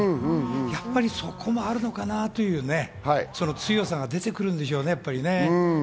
やっぱりそこもあるのかなっていう強さが出てくるんでしょうね。